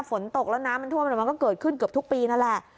ฝนตกแล้วน้ำมันท่วมมันก็เกิดขึ้นเกือบทุกปีนั่นแหละ